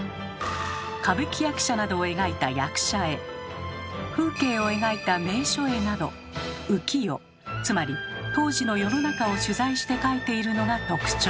歌舞伎役者などを描いた「役者絵」風景を描いた「名所絵」など浮世つまり「当時の世の中」を取材して描いているのが特徴。